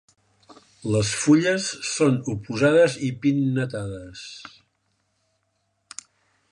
Les fulles són oposades i pinnatades.